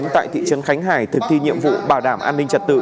tại thị trấn khánh hải thực thi nhiệm vụ bảo đảm an ninh trật tự